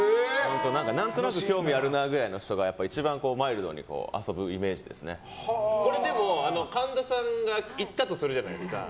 何となく興味あるなくらいの人がでも、神田さんが行ったとするじゃないですか。